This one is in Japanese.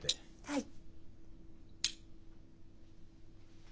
はい。